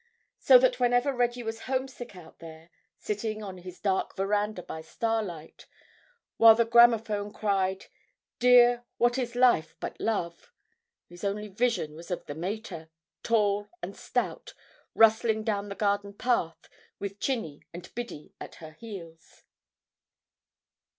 So that whenever Reggie was homesick out there, sitting on his dark veranda by starlight, while the gramophone cried, "Dear, what is Life but Love?" his only vision was of the mater, tall and stout, rustling down the garden path, with Chinny and Biddy at her heels....